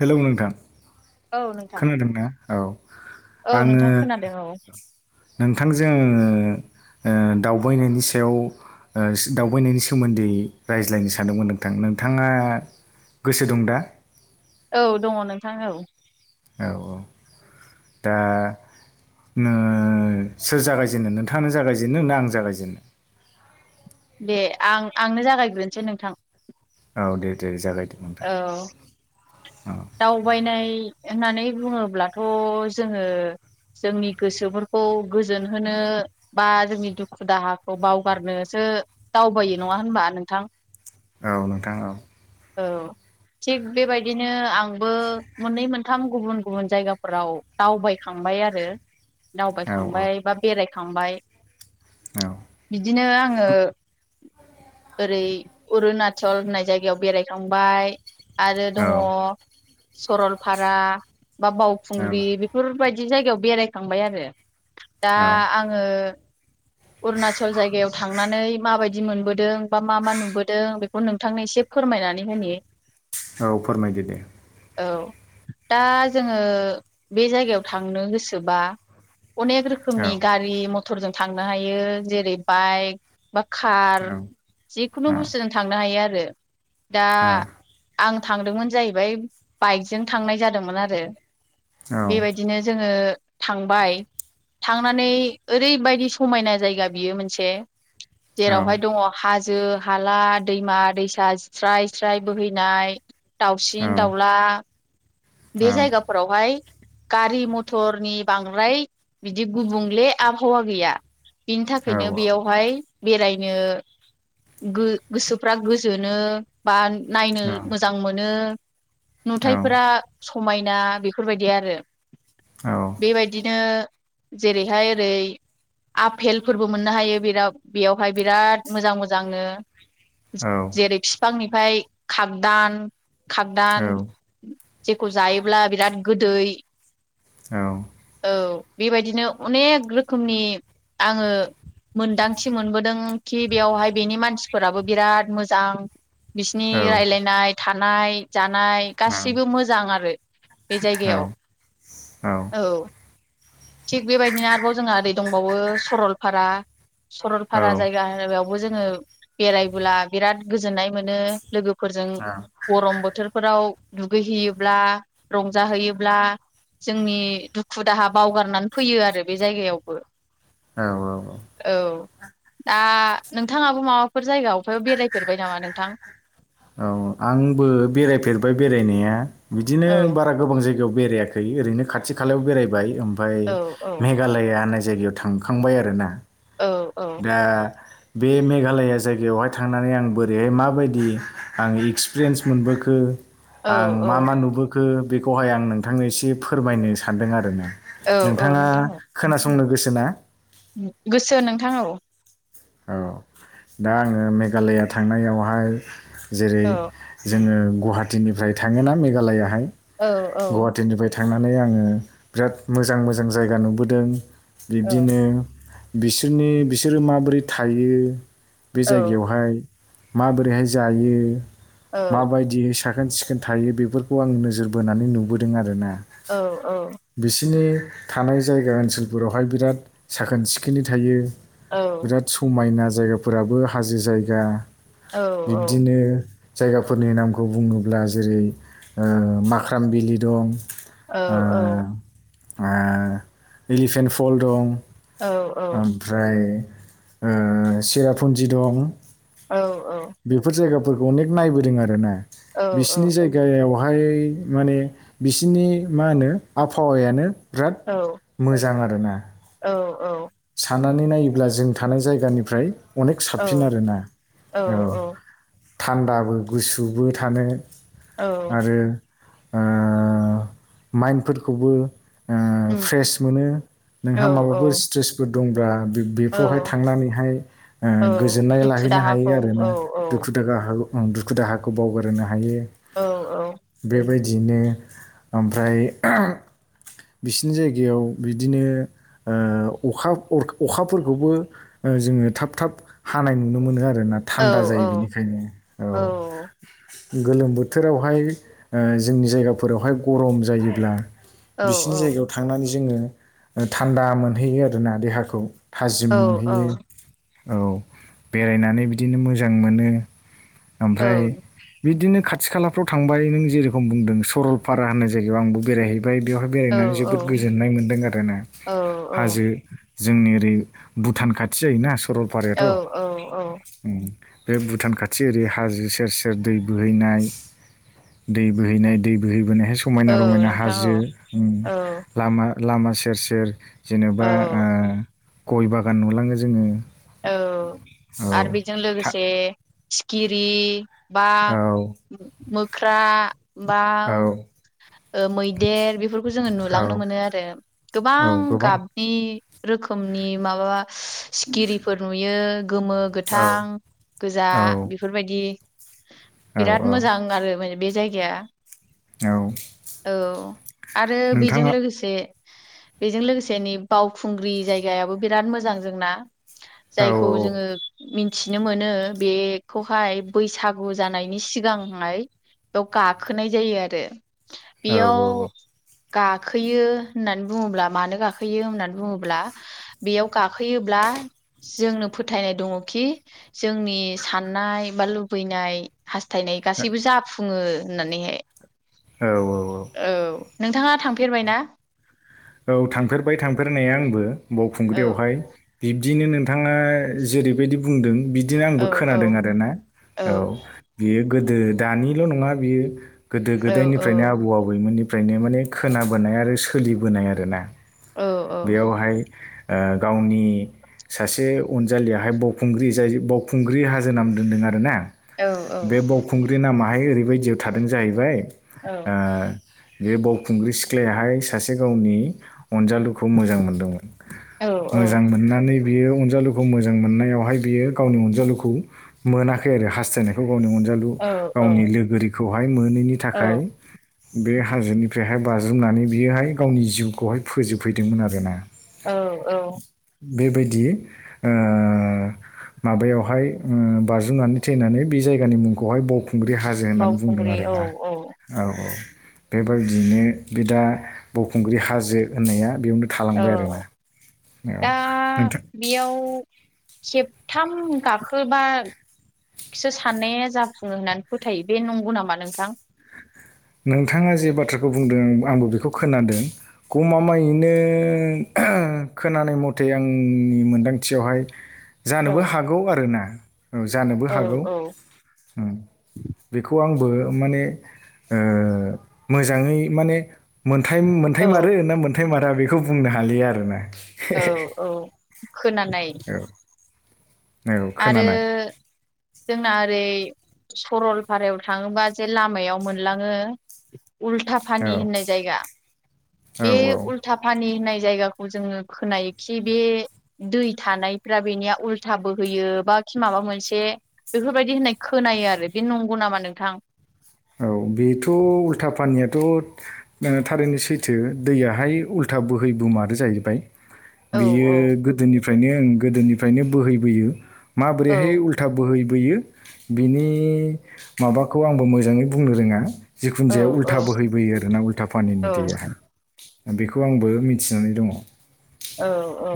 हेल नोंथां। औ नोंथां। खोनादोंना औ औ आङो नोंथां खोनादों औ नोंथांजों ओ ओ दावबायनायनि सायाव ओस दावबायनायनि सोमोन्दै रायज्लायनो सानदोंमोन नोंथां नोंथाङा गोसो दं दा? औ दङ नोंथां औ। औ औ दा ओनो सोर जागायजेनो नोंथांनो जागायजेनो आं जागायजेनो? दे आं आंनो जागायग्रोनोसै नोंथां। औ दे दे जागाय। औ। दावबायनाय होननानै बुङोब्लाथ' जोङो जोंनि गोसोफोरखौ गोजोन होनो बा जोंनि दुखु दाहाखौ बावगारनोसो ओ दावबायो नङा होनबा नोंथां औ नोंथां औ औ थिग बेबायदिनो आं आंबो मोननै मोनथाम गुबुन गुबुन जायगाफोराव दावबायखांबाय आरो औ दावबायखांबाय बा बेरायखांबाय औ बिदिनो आङो ओरै अरुनाचल होननाय जायगायाव बेरायखांबाय आरो औ दङ सरलपारा बा औ बावखुंग्रि बेफोरबाय दि जायगायाव बेरायखांबाय आरो दा औ आङो [unintelligible] अरुणाचल जायगायाव थांनानै माबायदि मोनबोदों बा मा मा नुबोदों बेखौ नोंथांनो एसे फोरम फायनानै होनि। औ फोरमायदो दे। औ दा जोङो बे जायगायाव थांनो गोसोबा। अनेक औ रोखोमनि गारि मथरजों थांनो हायो जेरै बाइक बा कार औ जिखुनु औ बुस्थुजों थांनो हायो आरो दा औ आं थांदोंमोन जाहैबाय बाइकजों थांनाय जादोंमोन आरो बेबायदिनो जोङो थांबाय थांनानै ओरैबायदि समायना जायगा बियो मोनसे औ जेरावहाय दं हाजो जो हाला दैमा दैसा स्राय स्राय बोहैनाय औ दावसिन दाउला बे औ जायगाफोरावहाय गारि मथरनि बांद्राय बिदि गुबुंले आबहावा गैया बिनि थाखायनो बेयावहाय बेरायनो गो गोसोफ्रा गोजोनो बा नायनो मोजां मोनो नुथायाइफोरा समायना बेफोरबायदि आरो बेबायदिनो जेरैहाय ओरै आफेलफोरबो मोननो हायो बेआव बेयावहाय बिराद मोजां मोजांनो जेरै फिफांनिफ्राय खागोदान खागदान जेखौ जायोब्ला बिराद गोदै औ औ बेबायदिनो अनेक रोखोमनि आङो मोनदांथि मोनबोदों खि बेवहाय बेनि मानसिफोराबो बिराद मोजां बिसिनि रायजलायनाय थानाय जानाय गाससिबो मो जां आरो बे जायगायाव औ थिग बेबायदिनो आरोबाव जोंहा ओरै दंबावो सरलपारा सरलपारा जायगा होनायाव बो जोङो बेरायबोला बिराद गोजोननाय मोनो। लोगोफोरजों गरम बोथोरफोराव दुगैहैयोब्ला रंजाहैयोब्ला जोंनि दुखु दाहाब बावगारनानै फैयो आरो बे जायगायावबो औ औ औ औ दा नोंथाङाबो माबाफोर जायगा अफेबा बेरायफेरबाय नामा नोंथां? औ आंबो बेरायफेरबाय बेरायनाया बिदिनो औ बारा गोबां जायगायाव बेरायाखै ओरोयनो खाथिखालायाव बेरायबाय ओगफाय औ औ मेघालया होन्नाय जायगायाव थांखांबाय आरो ना औ दा बे मेघालया जायगायावहाय थांनानै आं बोरैहाय माबायदि आं एक्सपिरियेन्स मोनबोखो औ आं औ मा मा नुबोखो बेखौहाय आं नोंथांनो एसे फोरमायनो सानदों आरो ना औ औ नोंथाङा नोंथां औ खोनासंनो गोसो ना? गोसो नोंथां औ औ दा आङो मेघालया थांनायावहाय जेरै औ जोङो गुवाहाटि निफ्राय थाङोना मेघालयावहाय औ औ थांनानै आङो बिराद मोजां मोजां जायगा नुबोदों औ बिब्दिनो बिसोरनि बिसोरो माबोरै थायो बे औ जायगायावहाय माबोरैहाय जायो औ माबायदि साखोन सिखोन थायो बेफोरखौ आं नोजोर बोनानै नुबोदों आरो ना औ औ थानाय जायगा ओनसोलफोरावहाय बिराद साखोन सिखोनै थायो। औ बिराद समायना जायगाफोराबो हाजो जायगा औ बिब्दिनो जायगाफोरनि नामखौ बुङोब्ला जेरै ओ माखा थामबिलि दं। औ औ ओ एलिफेन्ट फल दं औ ओमफ्राय ओ सेरापुन्जि दं। औ औ बेफोर जायगाफोरखौ अनेक नायबोदों आरो ना बिसिनि जायगायाव बहाय माने बिसिनि मा होनो आबहावायानो बिराद मोजां आरोना औ औ सानानै नायोब्ला जों थानाय जायगानिफ्राय अनेक साबसिन आरोना औ। थान्दाबो गुसुबो थानो औ आरो ओ माइन्दफोरखौबो ओ फ्रेस मोनो नोंहा माबाफोर स्ट्रेसफोर दंबा औ बेफ्रावहाय थांनानैहाय औ गोजोननाय दुखु लाहैनो दाहाखौ हायो औ आरोना औ दुखु दाहा दुखु दाहाखौ बावगारोनो हायो। औ औ बिदिनो ओमफ्राय बिसिनि जायगायाव बिदिनो ओ अखा अखाफोरखौबो जोङो थाब थाब हानाय नुनो मोनो आरो। औ थान्दा जायो औ बिनिखायनो औ गोलोम बोथोराव हाय जोंनि जायगाफोरावहाय गरम जायोब्ला औ बिसिनि जायगायाव थांनानै जोङो थान्दा मोनहैयो आरोना देहाखौ थाजिम औ औ मोनहैयो औ बेरायनानै बिदिनो मोजां मोनो औ ओमफ्राय बिदिनो खाथि खालाफ्राव थांबाय नों जेरोखोम बुंदों सरलपारा होननाय जायगायाव आंबो बेरायहैबाय ओमफ्राय बेवहाय औ बेरायनानै जोबोद गोजोननाय मोन्दों आरो ना हाजो जोंनि ओरै भुटान खाथि जायोना औ सरलपारायाथ' औ बे भुटान खाथि खाथि ओरै हाजो सेर सेर दै बोहैनाय दै बोहैनाय दै बोहैबोनाय समायना औ रमायना नोंथां हाजो उम औ लामा लामा सेर सेर औ जेनेबा ओ गय बागान नुलाङो जोङो औ आरो औ बेजों था लोगोसे सिखिरि बा औ मोख्रा बा औ ओ मैदेर बेफोरखौ जोङो औ नुलांनो मोनो आरो गोबां गाबनि रोखोमनि माबा सिखिरिफोर नुयो गोमो औ गोथां गोजा औ बेफोरबायदि औ बिराद औ मोजां आरो माने बे जायगाया औ औ आरो बेजों नोंथाङा लोगोसे बेजों लोगोसे नै बावखुंग्रि जायगायाबो बिराद मोजां जोंना औ जायखौ जोङो मिथिनो मोनो बेखौहाय बैसागु जानायनि सिगांहाय बेयाव गाखोनाय जायो आरो औ बेयाव औ गाखोयो होननानै बुङोब्ला मानो गाखोयो होननानै बुङोब्ला बेयाव गाखोयोब्ला जोंनो फोथायनाय दङखि जोंनि साननाय बा लुबैनाय हास्थायनाय गासैबो जाफुङो होननानैहाय औ औ औ नोंथाङा थांफेरबाय ना औ थांफेरबाय थांफेरनाया आंबो औ बावखुंग्रियाव हाय बिब्दिनो नोंथाङा जेरैबायदि बुंदों बि बिदिनो औ आंबो औ खोनादों आरो ना औ बियो गोदो दानिल' नङा बियो गोदो औ औ गोदायनिफ्रायनो आबौ आबैमोननिफ्रायनो माने खोनाबोनाय आरो सोलिबोनाय आरो ना औ बेयावहाय ओ गावनि सासे अनजालियाहाय बावखुंग्रि जाय बावखुंग्रि हाजो नाम दोनदों आरो ना औ बे बावखुंग्रि नामाहाय ओरैबायदियाव थादों जाहैबाय ओ बे बावखुंग्रि सिख्लायाहाय सासे गावनि खौ मोजां मोनदोंमोन मोजांमोननानै बियो अनजालुखौ मोजां मोननायावहाय बियो गावनि अनजालुखौ मोनाखै आरो हास्थाइनायखौ गावनि अनजालु औ गावनि लोगोरिखौहाय मोनैनि थाखाय औ बे हाजोनिफ्रायहाय बाज्रुमनानै बियोहाय गावनि जिउखौहाय फोजोबफैदोंमोन आरो ना औ औ बेबायदि माबायावहाय बाराज्रुमनानै थैनानै बे जायगानि मुंखौहाय ब बावखुंग्रि हाजो होननानै बुंदों बावखुंग्रि औ आरोना औ औ औ बेबायदियैनो बे दा बावखुंग्रि हाजो होननाया बेयावनो औ थालांबाय आरोना औ दा नोंथां बेयाव खेबथाम गाखोबा बिसो साननाया जाफुङो होननानै फोथायो बे नंगौ नामा नोंथां नोंथाङा जे बाथ्राखौ बुंदों आंबो बेखौ खोनादों गमामायैनो खोनानाय मथे आंनि मोनदांथियावहाय औ जानोबो हागौ आरो ना औ जानोबो औ हागौ औ बेखौ आंबो माने ओ मोजाङै माने औ मोनथायम-मोनथायमारो ना मोन- मोनथायमारा बेखौ बुंनो हालिया आरोना औ औ खोनानाय औ औ आरो खोनानाय जोंना ओरै सरलफारायाव थाङोबा जे लामायाव मोनलाङो उल्था फानि औ होननाय जायगा औ बे औ उल्था फानि होननाय जायगाख खौ जोङो खोनायोखि बे दै थानायफ्रा बेनिया उल्था बो होयो बा खि माबा मोनसे बेफोरबायदि होननाय खोनायो आरो बे नंगौ नामा नोंथां? औ बेथ' उल्था पानियाथ' थारैनो सैथो दैयाहाय उल्था था बोहै बोमारो जाहैबाय औ बियो औ गोदोनिफ्रायनो ओं गोदोनिफ्रायनो बोहैबोयो औ माबोरैहाय उल्था बोहैबोयो बिनि माबाखौ आंबो मोजाङै बुंनो रोङा जिखुनु औ जाया औ उल्था बोहैबोयो आरोना उल्था पानिनि दैयाहाय बेखौ आंबो मिथिनानै दङ औ औ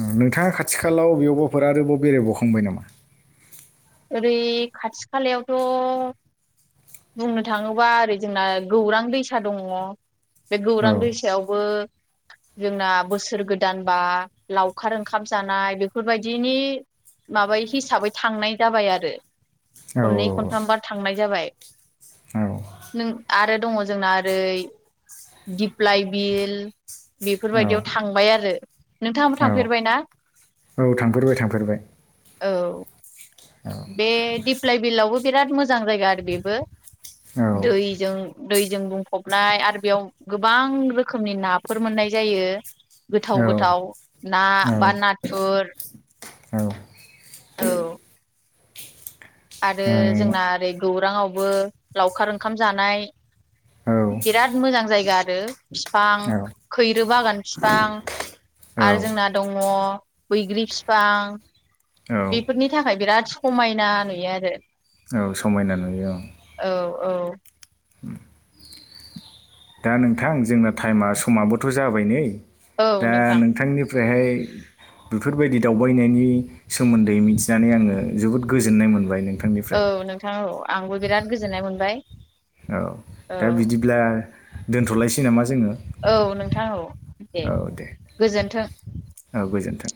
ओं नोंथाङा खाथि खालाव बेयावबाफोर आरोबाव बेरायबावखांबाय नामा? ओरै खाथि खालायावथ' बुंनो थाङोबा ओरै जोंना गौरां दैसा दङ बे औ गौरां दैसायावबो [inaudible] [unintelligible] जोंना बोसोर गोदानबा लावखार ओंखाम जानाय बेफोरबायदिनि माबायै हिसाबै थांनाय जाबाय आरो औ खननै खनथामबा थांनाय जाबाय औ नों आरो दङ जोंना ओरै दिप्लइ बिल औ बेफोरबायदियाव थांबाय आरो नोंथाङो औ थांफेरबाय ना? औ थांफेरबाय थांफेरबाय औ बे दिप्लाय बिलावबो बिराद मोजां जां जायगा आरो बेबो औ दैजों दैजों बुंफबनाय आरो बेयाव गोबां रोखोमनि नाफोर मोननाय जायो गोथाव औ गोथाव ना औ बा नाथुर औ औ आरो उम, जोंना ओरै गौरांआवबो लावखार ओंखाम जानाय औ बिराद मोजां जायगा आरो फिफां खैरो बागान फिफां औ आरो जोंना दङ बैग्रि फिफां औ बेफोरनि थाखाय बिराद समायना नुयो आरो औ समायना नुयो औ औ दा नोंथां जोंना टायेमा समाबोथ' जाबाय नै औ दा नोंथां नोंथांनि फ्रायहाय बेफोरबायदि दावबायनायनि सोमोन्दै मिथिनानै आङो जोबोद गोजोननाय मोनबाय नों औ नोंथां औ आंबो बिराद गोजोननाय मोनबाय। औ औ दा बिदिब्ला दोनथ'लायसै नामा? जोङो औ नोंथां औ दे गोजोनथों! औ गोजोन्थों!